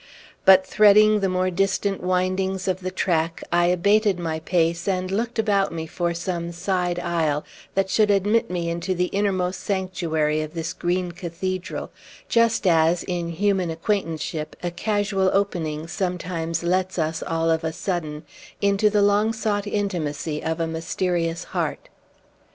But, threading the more distant windings of the track, I abated my pace, and looked about me for some side aisle, that should admit me into the innermost sanctuary of this green cathedral, just as, in human acquaintanceship, a casual opening sometimes lets us, all of a sudden, into the long sought intimacy of a mysterious heart.